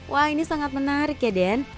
wah ini sangat menarik ya den